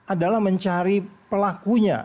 adalah mencari pelakunya